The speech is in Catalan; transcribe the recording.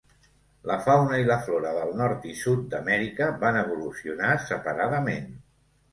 La fauna i la flora del nord i sud d'Amèrica van evolucionar separadament.